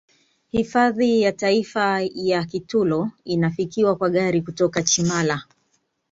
Hifadhi ya taifa ya Kitulo inafikiwa kwa gari kutoka Chimala